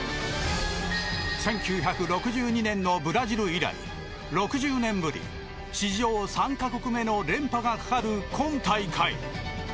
１９６２年のブラジル以来６０年ぶり、史上３か国目の連覇がかかる今大会。